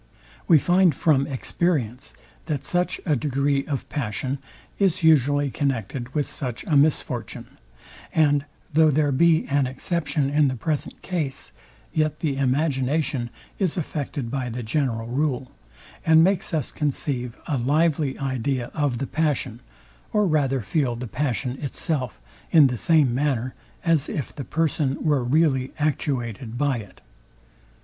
We find from experience, that such a degree of passion is usually connected with such a misfortune; and though there be an exception in the present case, yet the imagination is affected by the general rule, and makes us conceive a lively idea of the passion, or rather feel the passion itself, in the same manner, as if the person were really actuated by it.